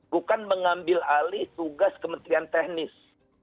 bukan mengambil alih tugas kementerian teknis